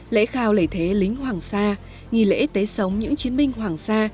lễ khao lễ thế lính hoàng sa nghi lễ tế sống những chiến binh hoàng sa